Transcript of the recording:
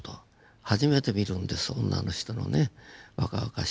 初めて見るんです女の人のね若々しい柔らかい肌。